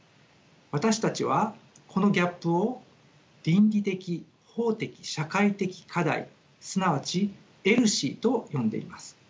私たちはこのギャップを倫理的・法的・社会的課題すなわちＥＬＳＩと呼んでいます。